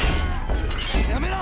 やめろ！